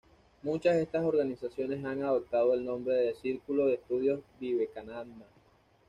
Muchas de estas organizaciones han adoptado el nombre de Círculo de Estudios Vivekananda.